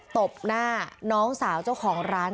ตบหน้าน้องสาวเจ้าของร้าน